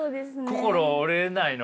心折れないの？